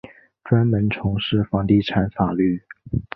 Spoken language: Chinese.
专门从事房地产法律。